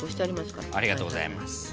ありがとうございます。